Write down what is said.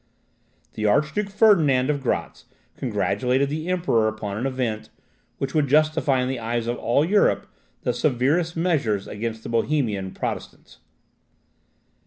The Archduke Ferdinand of Gratz congratulated the Emperor upon an event, which would justify in the eyes of all Europe the severest measures against the Bohemian Protestants.